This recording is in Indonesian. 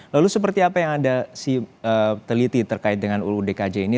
lalu seperti apa yang anda teliti terkait dengan uudkj ini